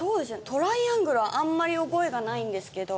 トライアングルはあんまり覚えがないんですけど。